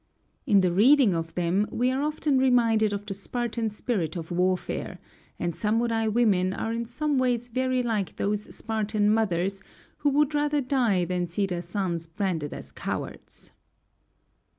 In the reading of them, we are often reminded of the Spartan spirit of warfare, and samurai women are in some ways very like those Spartan mothers who would rather die than see their sons branded as cowards.